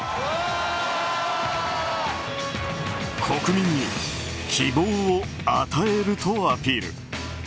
国民に希望を与えるとアピール。